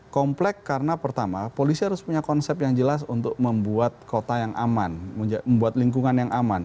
komplek karena pertama polisi harus punya konsep yang jelas untuk membuat kota yang aman membuat lingkungan yang aman